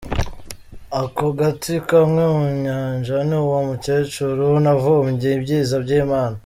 Ako gati kamwe mu Nyanja, ni uwo mukecuru navumbye ibyiza by’Imana.